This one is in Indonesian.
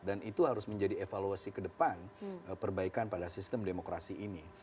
dan itu harus menjadi evaluasi ke depan perbaikan pada sistem demokrasi ini